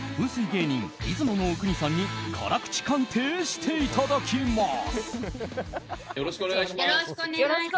芸人・出雲阿国さんに辛口鑑定していただきます。